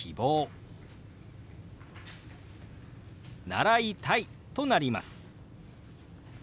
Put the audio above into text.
「習いたい」となります。